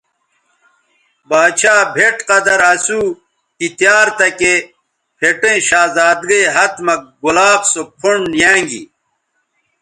باڇھا بھئٹ قدر اسو تی تیار تکے پھٹیئں شہزادگئ ھت مہ گلاب سو پھنڈ یانگی